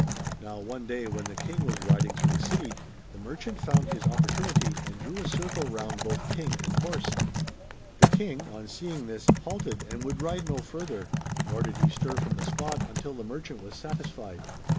Now, one day when the King was riding through the city, the merchant found his oppor tunity and drew a circle round both King and horse The King, on seeing this, halted, and would ride no further; 28o MARCO POLO. Book III. nor (lid he stir tram the spot until the merchant was satisfied.